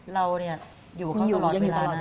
เราเนี่ยอยู่กับเขาตลอดเวลานะ